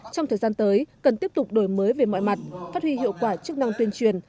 trong thời gian tới cần tiếp tục đổi mới về mọi mặt phát huy hiệu quả chức năng tuyên truyền